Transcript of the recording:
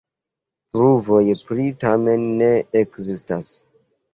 Pruvoj prie tamen ne ekzistas.